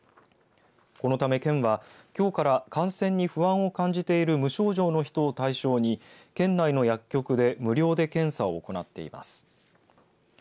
このため県はきょうから感染に不安を感じている無症状の人を対象に県内の薬局で無料で検査を行ってます。